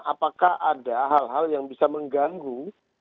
apakah ada hal hal yang bisa mengganggu